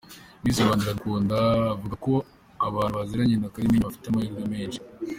Miss Rwanda Iradukunda avuga ko abantu baziranye na Kalimpinya bafite amahirwe menshi.